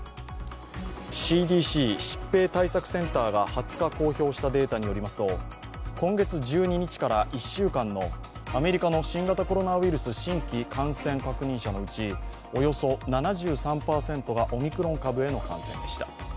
ＣＤＣ＝疾病対策センターが２０日公表したデータによりますと今月１２日から１週間のアメリカの新型コロナウイルス新規感染確認者のうちおよそ７３％がオミクロン株への感染でした。